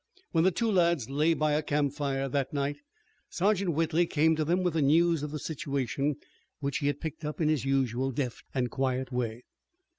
When the two lads lay by a campfire that night Sergeant Whitley came to them with the news of the situation, which he had picked up in his usual deft and quiet way.